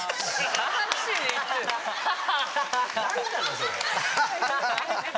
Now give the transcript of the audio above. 何なのそれ。